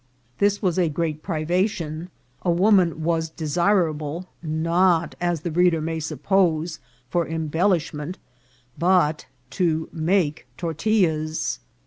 This was a great privation; a woman was desirable, not, as the reader may suppose, for embel lishment, but to make tortillas.